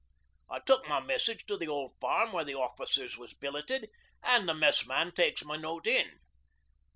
I took my message to the old farm where the officers was billeted an' the mess man takes my note in.